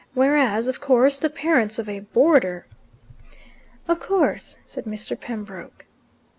Whereas, of course, the parents of a boarder " "Of course," said Mr. Pembroke.